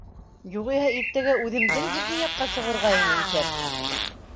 - Юғиһә иртәгә үҙемдең һеҙҙең яҡҡа сығырға ине иҫәп.